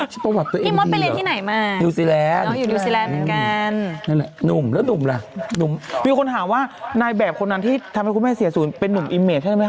ชินประวัติตัวเองจริงเหรอมัน